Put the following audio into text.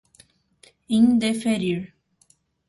indeferir